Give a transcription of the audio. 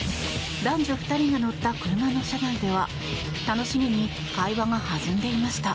男女２人が乗った車の車内では楽しげに会話が弾んでいました。